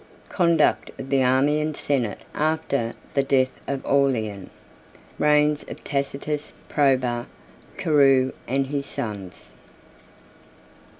Conduct Of The Army And Senate After The Death Of Aurelian. —Reigns Of Tacitus, Probus, Carus, And His Sons.